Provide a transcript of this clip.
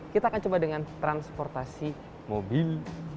kita akan coba dengan transportasi mobil